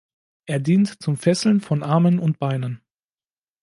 Er dient zum Fesseln von Armen oder Beinen.